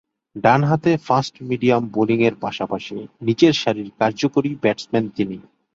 ডানহাতে ফাস্ট-মিডিয়াম বোলিংয়ের পাশাপাশি নিচের সারির কার্যকরী ব্যাটসম্যান তিনি।